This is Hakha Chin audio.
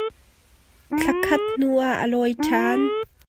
Thla khat hnu ah a lawi ṭhan.